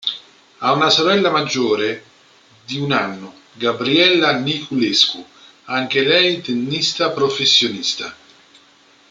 Ha una sorella maggiore di un anno, Gabriela Niculescu, anche lei tennista professionista.